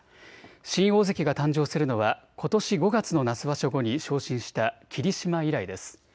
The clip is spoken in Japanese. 新大関が誕生するのはことし５月の夏場所後に昇進した霧島以来です。